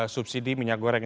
subsidi minyak goreng